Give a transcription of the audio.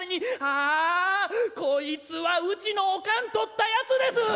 「ああこいつはうちのおかん取ったやつです！」。